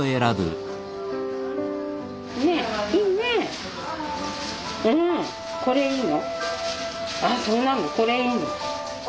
ああそうなのこれいいの。